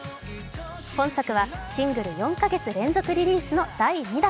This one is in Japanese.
本作はシングル４か月連続リリースの第２弾。